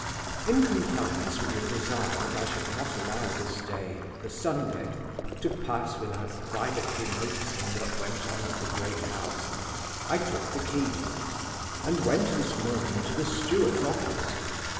"In compliance with your desire that I should not allow this day (the Sunday) to pass without privately noticing what went on at the great house, I took the keys, and went this morning to the steward's office.